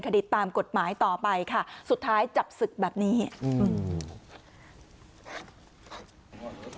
คดีตามกฎหมายต่อไปค่ะสุดท้ายจับศึกแบบนี้อืม